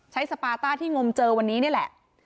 สปาต้าที่งมเจอวันนี้นี่แหละ